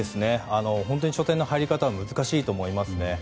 初戦の入り方は難しいと思いますね。